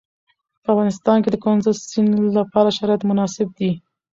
په افغانستان کې د کندز سیند لپاره شرایط مناسب دي.